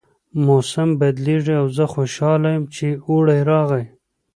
موسم بدلیږي او زه خوشحاله یم چې اوړی راغی